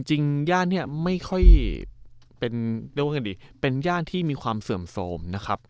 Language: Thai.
ย่านเนี่ยไม่ค่อยเป็นเรียกว่ากันดีเป็นย่านที่มีความเสื่อมโสมนะครับ